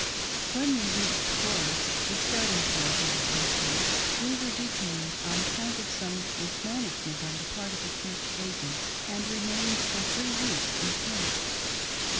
When we reached Florence — the starting point on the Frontiers — we were detained on account of some mismanage ment on the part of the Church Agents, and remained for three weeks in camp.